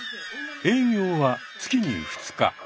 営業は月に２日。